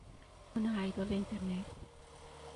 Una idol de internet.